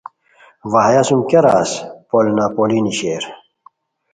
وا ہیہ سوم کیہ راز پولنا پولینی شیر